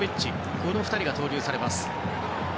この２人が投入されます。